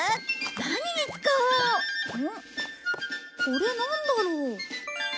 これなんだろう？